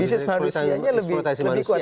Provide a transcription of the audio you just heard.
bisnis manusianya lebih kuat